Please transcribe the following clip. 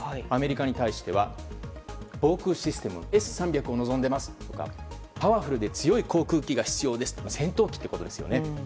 アメリカに対しては防空システムＳ‐３００を望んでいますとかパワフルで強い航空機が必要ですと戦闘機ってことですよね。